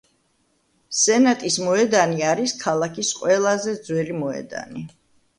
სენატის მოედანი არის ქალაქის ყველაზე ძელი მოედანი.